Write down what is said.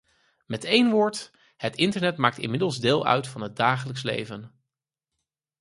Met één woord: het internet maakt inmiddels deel uit van het dagelijks leven.